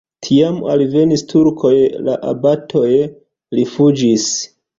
Tiam alvenis turkoj, la abatoj rifuĝis.